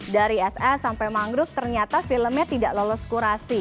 dari ss sampai mangrove ternyata filmnya tidak lolos kurasi